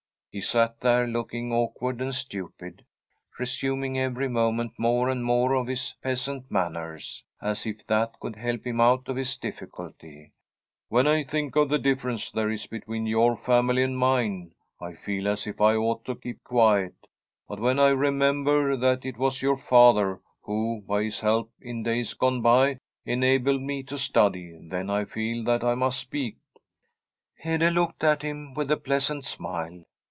He sat there, looking awkward and stupid, resuming every moment more and more of his peasant manners, as if that could help him out of his difficulty. * When I think of the differ ence there is between your family and mine, I feel as if I ought to keep quiet ; but when I remember that it was your father who, by his help in days gone by, enabled me to study, then I feel that I must speak ' The STORY of a COUNTRY HOUSE Hede looked at him with a pleasant smile.